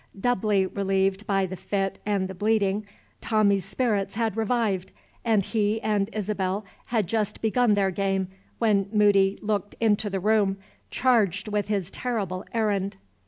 Doubly relieved by the fit and the bleeding, Tommie's spirits had revived; and he and Isabel had just begun their game when Moody looked into the room, charged with his terrible errand.